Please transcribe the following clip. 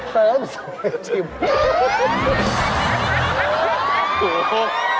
เสิร์ฟสวยจิม